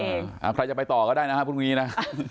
ใครจะไปต่อก็ได้นะครับพรุ่งนี้นะ